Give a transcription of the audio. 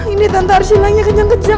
ini tante arshila nya kencang kecang